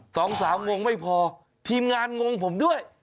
สองสามงงไม่พอทีมงานงงผมด้วย